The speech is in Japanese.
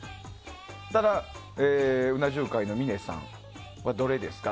ただ、うな重界の峰さんはどれですか？